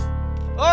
tuh tuh tuh